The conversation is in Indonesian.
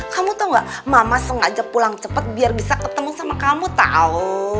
kamu tahu gak mama sengaja pulang cepat biar bisa ketemu sama kamu tau